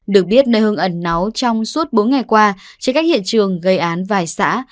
được biết nơi hưng ẩn náu trong suốt bốn ngày qua trên các hiện trường gây án vài xã